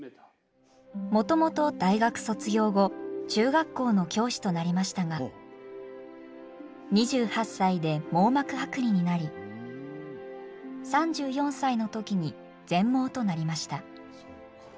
もともと大学卒業後中学校の教師となりましたが２８歳で網膜剥離になり３４歳の時に全盲となりました。